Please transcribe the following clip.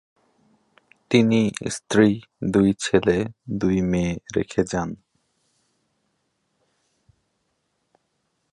তিনি স্ত্রী, দুই ছেলে, দুই মেয়ে রেখে যান।